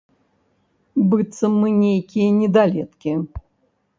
Быццам мы нейкія недалеткі!